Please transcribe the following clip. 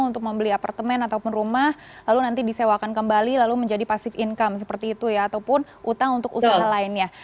untuk membeli apartemen ataupun rumah lalu nanti disewakan kembali lalu menjadi pasif income seperti itu ya ataupun utang untuk usaha lainnya